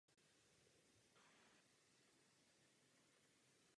Na sněmu po jistou dobu vedl referát pro reformu pozemkových knih.